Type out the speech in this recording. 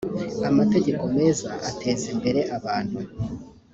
amategeko meza atezimbere abantu